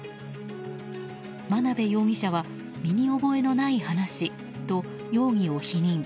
真辺容疑者は身に覚えのない話と容疑を否認。